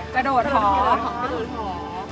กระโดดหอ